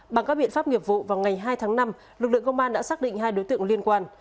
bằng các biện pháp nghiệp vụ vào ngày hai tháng năm lực lượng công an đã xác định hai đối tượng liên quan